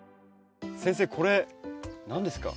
先生これ何ですか？